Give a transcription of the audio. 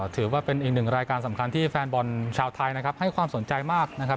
ถือว่าเป็นอีกหนึ่งรายการสำคัญที่แฟนบอลชาวไทยนะครับให้ความสนใจมากนะครับ